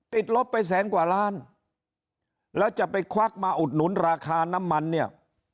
ลบไปแสนกว่าล้านแล้วจะไปควักมาอุดหนุนราคาน้ำมันเนี่ย